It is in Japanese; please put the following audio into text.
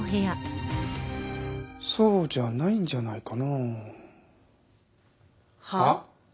そうじゃないんじゃないかな。はあ？